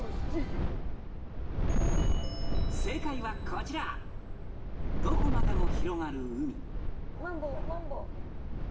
はこちらどこまでも広がる海